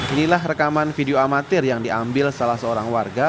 inilah rekaman video amatir yang diambil salah seorang warga